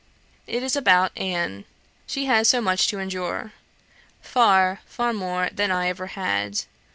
It is about Anne; she has so much to endure: far, far more than I ever had.